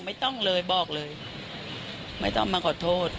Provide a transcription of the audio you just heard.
ไม่ต้องเลยบอกเลยไม่ต้องมาขอโทษ